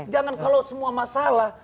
jangan kalau semua masalah